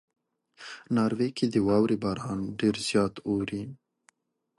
ناروې کې د واورې باران ډېر زیات اوري.